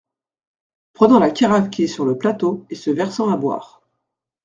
Prenant la carafe qui est sur le plateau et se versant à boire.